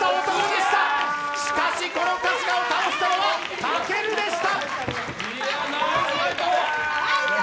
しかしこの春日を倒したのは武尊でした。